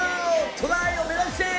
トライを目指して。